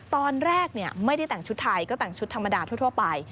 ตอนแรกไม่ได้แต่งชุดไทยก็แต่งชุดธรรมดาทั่วไป